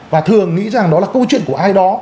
và thường nghĩ rằng đó là câu chuyện của ai đó